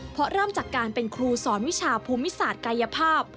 เพราะเริ่มจากการเป็นครูสอนวิชาภูมิศาสตร์กายภาพ